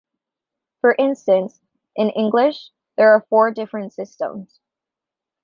For instance, in English, there are four different systems.